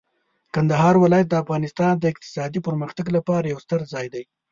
کندهار ولایت د افغانستان د اقتصادي پرمختګ لپاره یو ستر ځای دی.